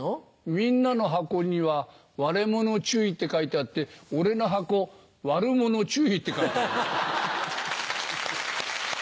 みんなの箱には「割れ物注意」って書いてあって俺の箱「ワルモノ注意」って書いてある。